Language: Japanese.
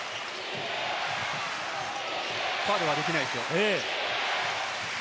ファウルはできないですよ。